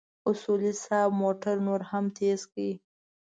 اصولي صیب موټر نور هم تېز کړ.